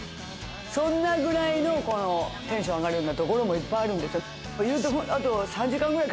そんなくらいのテンション上がるようなところもいっぱいあるんですよ。